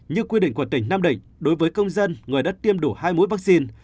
như quy định của tỉnh nam định đối với công dân người đã tiêm đủ hai mũi vaccine